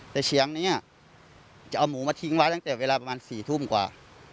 แต่เฉียงนี้จะเอาหมูมาทิ้งไว้ตั้งแต่เวลาประมาณ๔ทุ่มกว่า